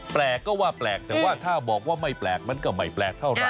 แปลกก็ว่าแปลกแต่ว่าถ้าบอกว่าไม่แปลกมันก็ไม่แปลกเท่าไห